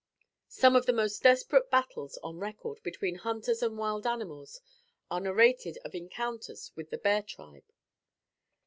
Some of the most desperate battles on record between hunters and wild animals are narrated of encounters with the bear tribe.